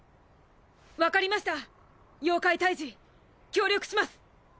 わかりました妖怪退治協力します。